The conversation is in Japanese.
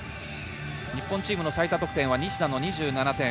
日本チームの最多得点は西田の２７点。